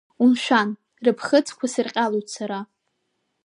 Умшәан, рыԥхыӡқәа сырҟьалоит сара!